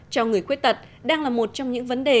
cho người khuyết tật đang là một trong những vấn đề